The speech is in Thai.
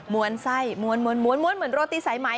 ม้วนไส้ม้วนม้วนเหมือนโรตี้ไซส์ไม้